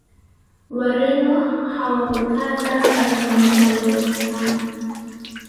Wareno hawakukaa zanzibar kwa muda mrefu sana